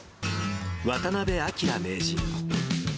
渡辺明名人。